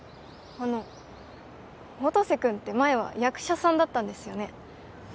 あの音瀬君って前は役者さんだったんですよね？